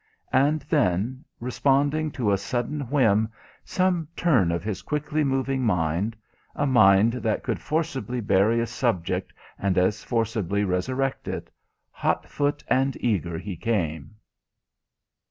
And then, responding to a sudden whim, some turn of his quickly moving mind a mind that could forcibly bury a subject and as forcibly resurrect it hot foot and eager he came.